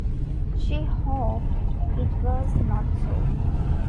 She hoped it was not so.